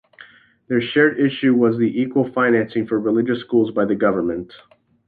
Their shared issue was the equal financing for religious schools by the government.